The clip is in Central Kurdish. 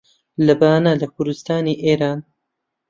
لە بانە لە کوردستانی ئێران